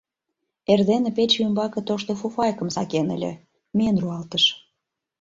Эрдене пече ӱмбаке тошто фуфайкым сакен ыле, миен руалтыш.